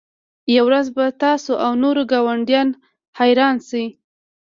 یوه ورځ به تاسو او نور ګاونډیان حیران شئ